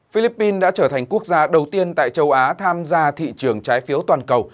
philippines đã trở thành quốc gia đầu tiên tại châu á tham gia thị trường trái phiếu toàn cầu